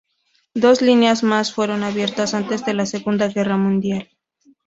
Dos líneas más fueron abiertas antes de la Segunda Guerra Mundial.